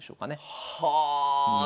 はあ！